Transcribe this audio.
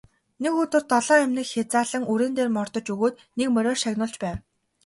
Нэг өдөр долоон эмнэг хязаалан үрээн дээр мордож өгөөд нэг мориор шагнуулж байв.